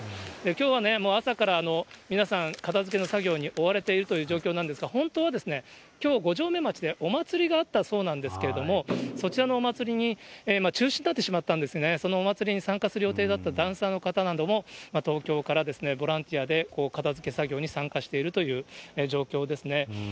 きょうはもう朝から皆さん、片づけの作業に追われているという状況なんですが、本当はきょう、五城目町でお祭りがあったそうなんですけれども、そちらのお祭りに、中止になってしまったんですね、そのお祭りに参加する予定だったダンサーの方なども、東京からボランティアで片づけ作業に参加しているという状況ですね。